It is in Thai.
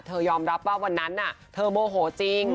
ยอมรับว่าวันนั้นเธอโมโหจริง